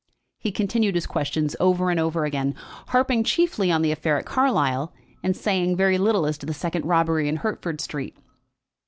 He continued his questions over and over again, harping chiefly on the affair at Carlisle, and saying very little as to the second robbery in Hertford Street.